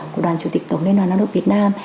của đoàn chủ tịch tổng liên hoàn độ việt nam